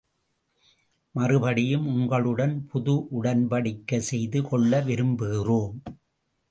மறுபடியும், உங்களுடன் புது உடன்படிக்கை செய்து கொள்ள விரும்புகிறோம்.